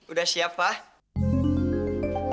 udah siap pak